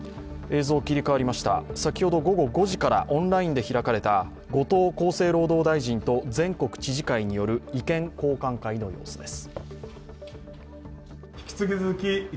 先ほど午後５時からオンラインで開かれた後藤厚生労働大臣と全国知事会による意見交換会の様子です。